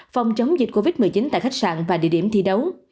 phòng chống dịch covid một mươi chín tại khách sạn và địa điểm thi đấu